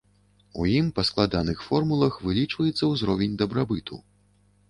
У ім па складаных формулах вылічваецца ўзровень дабрабыту.